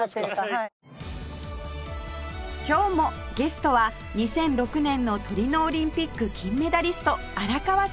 今日もゲストは２００６年のトリノオリンピック金メダリスト荒川静香さん